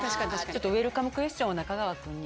ちょっとウエルカムクエスチョンを中川君に。